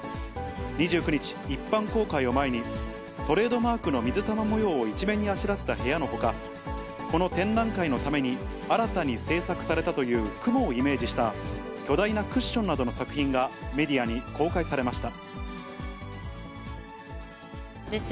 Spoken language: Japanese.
２９日、一般公開を前に、トレードマークの水玉模様を一面にあしらった部屋のほか、この展覧会のために新たに制作されたという雲をイメージした巨大なクッションなどの作品が、メディアに公開されました。